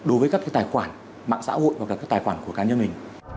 đối với các cái tài khoản mạng xã hội và các cái tài khoản của cá nhân mình